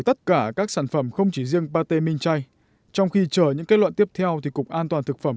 tất cả các sản phẩm không chỉ riêng pate minh chay trong khi chờ những kết luận tiếp theo thì cục an toàn thực phẩm